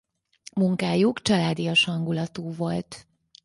Munkájuk családias hangulatú volt.